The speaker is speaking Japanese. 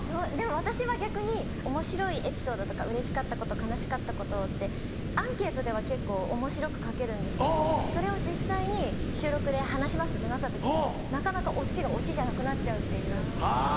でも私は逆におもしろいエピソードとかうれしかったこと悲しかったことってアンケートでは結構おもしろく書けるんですけどそれを実際に収録で話しますってなった時になかなかオチがオチじゃなくなっちゃうっていう。